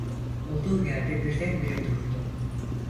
Olduğu yerde birdenbire durdu.